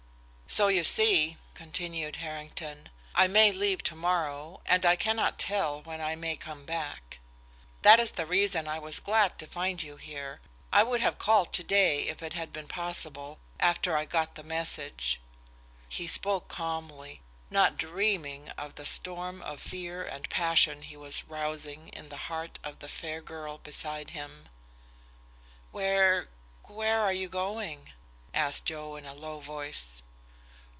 "So you see," continued Harrington, "I may leave to morrow, and I cannot tell when I may come back. That is the reason I was glad to find you here. I would have called to day, if it had been possible, after I got the message." He spoke calmly, not dreaming of the storm of fear and passion he was rousing in the heart of the fair girl beside him. "Where where are you going?" asked Joe in a low voice.